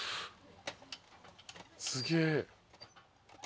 すげえ。